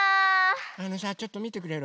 あのさちょっとみてくれる？